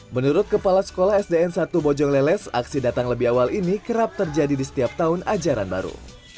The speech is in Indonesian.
menurut kepala sekolah sdn satu bojong leles aksi datang lebih awal ini kerap terjadi di setiap tahun ajaran baru